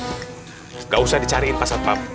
nggak usah dicariin pak ustadz